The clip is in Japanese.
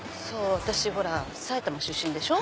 私ほら埼玉出身でしょ。